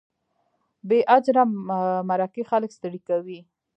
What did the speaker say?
بې اجره مرکې خلک ستړي کوي.